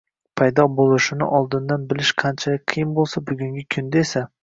paydo bo‘lishini oldindan bilish qanchalik qiyin bo‘lsa, bugungi kunda esa